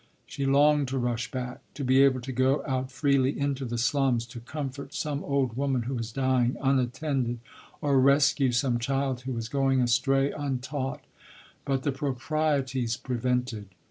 '" She longed to rush back, to be able to go out freely into the slums, to comfort some old woman who was dying unattended, or rescue some child who was going astray untaught. But the proprieties prevented.